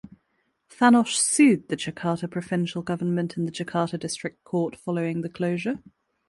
Thanos sued the Jakarta provincial government in the Jakarta District Court following the closure.